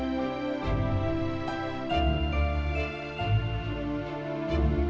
pasti lihat berapa dia bengong